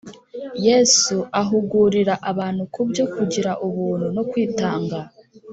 Yesu ahugurira abantu kubyo kugira ubuntu no kwitanga